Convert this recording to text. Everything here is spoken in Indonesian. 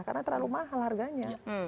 karena terlalu mahal harganya